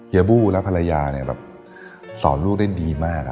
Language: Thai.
เฮียบูและภรรยาสอนลูกได้ดีมาก